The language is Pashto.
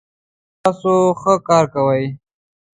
تاسو ښه کار کوئ